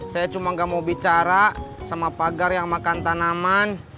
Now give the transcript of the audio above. saya cuma nggak mau bicara sama pagar yang makan tanaman